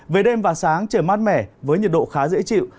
về đêm và sáng trời mát mẻ với nhiệt độ khá dễ chịu